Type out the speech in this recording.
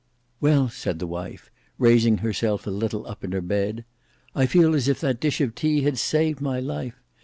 "Well," said the wife, raising herself a little up in her bed, "I feel as if that dish of tea had saved my life.